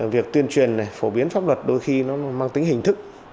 việc tuyên truyền phổ biến pháp luật đôi khi nó mang tính hình thức